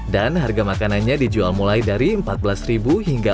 dan harga makanannya dijual mulai dari rp empat belas hingga rp empat puluh